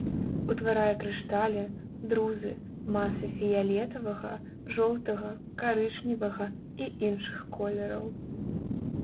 Утварае крышталі, друзы, масы фіялетавага, жоўтага, карычневага і іншых колераў.